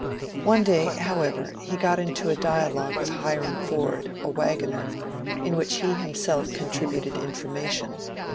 One day, however, he got into a dialogue with Hiram Ford, a wagoner, in which he himself contributed information.